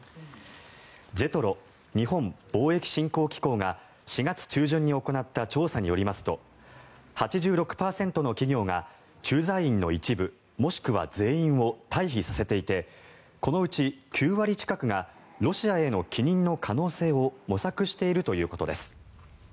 ＪＥＴＲＯ・日本貿易振興機構が４月中旬に行った調査によりますと８６％の企業が駐在員の一部もしくは全員を退避させていてこのうち９割近くがロシアへの帰任の可能性を模索しているということです。